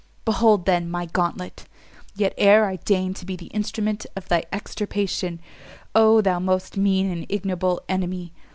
Behold, then, my gauntlet! yet ere I deign to be the instrument of thy extirpation, O thou most mean and ignoble enemy!